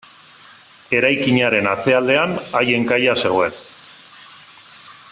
Eraikinaren atzealdean haien kaia zegoen.